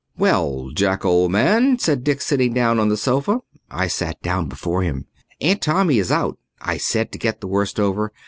"Well, Jack, old man," said Dick, sitting down on the sofa. I sat down before him. "Aunt Tommy is out," I said, to get the worst over.